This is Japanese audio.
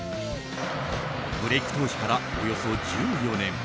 ブレーク当時からおよそ１４年。